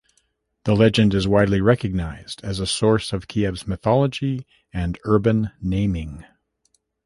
The legend is widely recognized as a source of Kiev's mythology and urban naming.